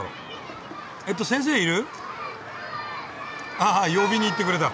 ああ呼びに行ってくれた。